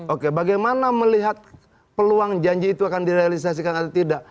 oke bagaimana melihat peluang janji itu akan direalisasikan atau tidak